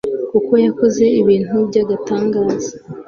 kuko yakoze ibintu by'agatangaza